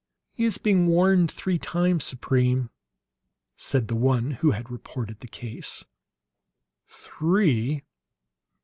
"He has been warned three times, Supreme," said the one who had reported the case. "Three?